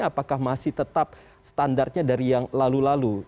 apakah masih tetap standarnya dari yang lalu lalu